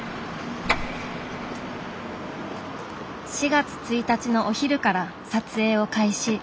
４月１日のお昼から撮影を開始。